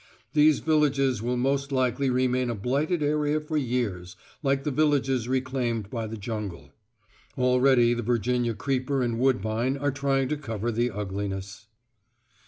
These villages will most likely remain a blighted area for years, like the villages reclaimed by the jungle. Already the virginia creeper and woodbine are trying to cover the ugliness....